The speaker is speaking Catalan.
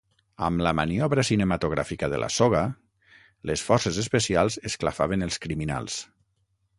Amb la maniobra cinematogràfica de la soga, les forces especials esclafaven els criminals.